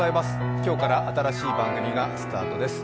今日から新しい番組がスタートです。